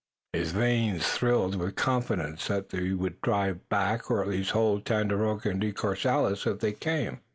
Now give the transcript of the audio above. His veins thrilled with confidence that they would drive back, or at least hold Tandakora and De Courcelles, if they came.